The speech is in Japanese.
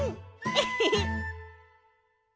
エヘヘッ。